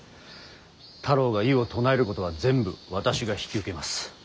太郎が異を唱えることは全部私が引き受けます。